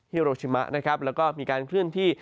ฮิโรชิมะและมีการคลื่นที่